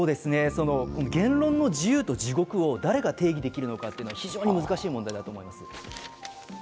言論の自由と地獄を誰が定義できるのかというのは非常に難しい問題だと思います。